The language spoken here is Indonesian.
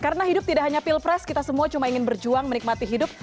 karena hidup tidak hanya pilpres kita semua cuma ingin berjuang menikmati hidup